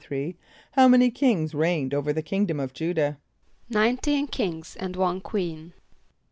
= How many kings reigned over the kingdom of J[=u]´dah? =Nineteen kings and one queen.